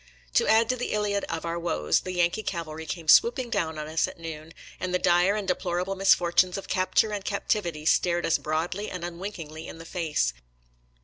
To add to the Iliad of our woes, the Yankee cavalry came swooping down on us at noon, and the dire and deplorable misfortunes of capture and captivity stared us broadly and un winkingly in the face.